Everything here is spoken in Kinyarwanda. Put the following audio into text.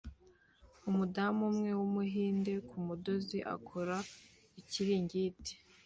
Umudamu umwe wumuhinde kumudozi akora ikiringiti